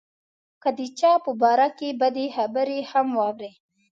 که د چا په باره کې بدې خبرې هم واوري.